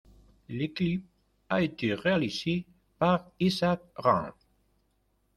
Le clip a été réalisé par Isaac Rentz.